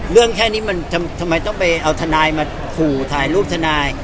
แค่นี้มันทำไมต้องไปเอาทนายมาขู่ถ่ายรูปทนาย